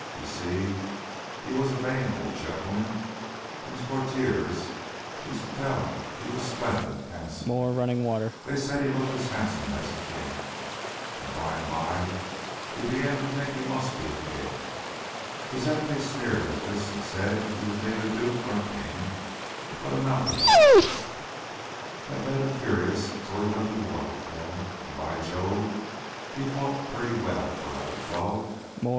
You see, he was a vain old gentleman, and his courtiers used to tell him he was splendid, handsome They said he looked as handsome as a king, and by and by he began to think he must be a king. His enemies sneered at this and said he was neither duke nor king, but a a mountebank. That made him furious, so he went to war with them, and, by Jove, he fought pretty well for an old fellow!